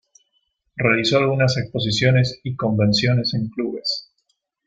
Realizó algunas exposiciones y convenciones en clubs.